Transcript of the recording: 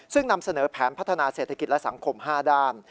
ซึ่งนำเสนอแผนพัฒนาเศรษฐกิจและสังคม๕ด้าน